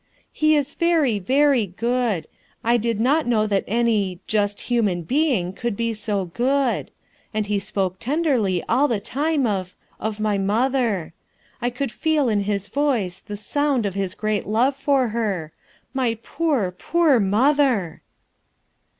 ■" He is very, very good. I did not know that any— just human being could be so good. AncThe spoke tenderly aU the time of —of my mother. I could feel in his" voice the sound of his great love for her. My poor, poor mother!"